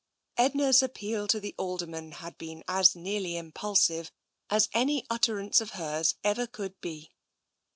Edna's appeal to the Alderman had been as nearly impulsive as any utterance of hers ever could be.